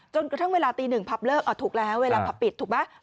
กระทั่งเวลาตีหนึ่งผับเลิกถูกแล้วเวลาผับปิดถูกไหม